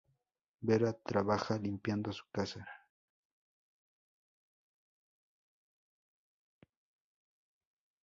Vera trabaja limpiando su casa.